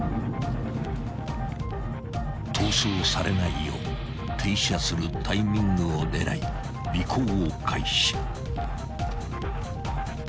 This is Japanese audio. ［逃走されないよう停車するタイミングを狙い尾行を開始］